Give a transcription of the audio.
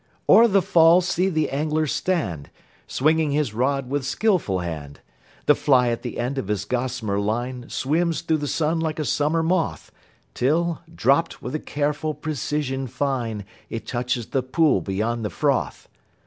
o'er the fall see the angler stand, Swinging his rod with skilful hand; The fly at the end of his gossamer line Swims through the sun like a summer moth, Till, dropt with a careful precision fine, It touches the pool beyond the froth.